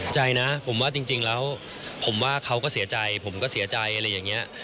ใจนะผมว่าจริงแล้วผมว่าเขาก็เสียใจผมก็เสียใจอะไรอย่างนี้